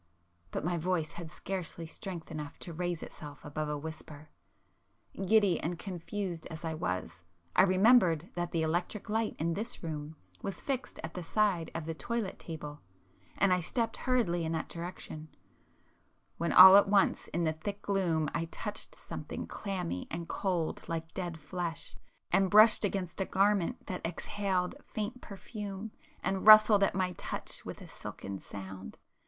but my voice had scarcely strength enough to raise itself above a whisper. Giddy and confused as I was, I remembered that the electric light in this room was fixed at the side of the toilet table, and I stepped hurriedly in that direction, when all at once in the thick gloom I touched something clammy and cold like dead flesh, and brushed against a garment that exhaled faint perfume, and rustled at my touch with a silken sound.